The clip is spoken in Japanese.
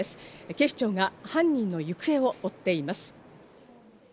警視庁が犯人の行方を追っています。